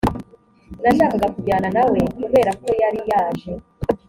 nashakaga kujyana na we kubera ko yari yaje